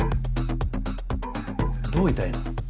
どう痛いの？